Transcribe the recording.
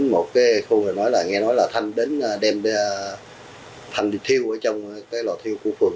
một cái khu rồi nói là nghe nói là thanh đến đem đi anh đi thiêu ở trong cái lò thiêu của phường